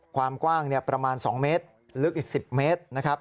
ความกว้างประมาณ๒เมตรลึกอีก๑๐เมตรนะครับ